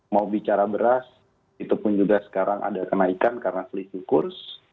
mau bicara beras itu pun juga sekarang ada kenaikan karena selisih kurs